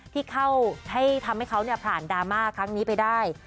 ที่เข้าให้ทำให้เขาผ่านดราม่าครั้งนี้ไปได้